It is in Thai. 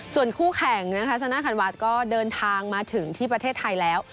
ส่วนคู่แข่งนะคะชนะคันวัดก็เดินทางมาถึงที่ประเทศไทยแล้ว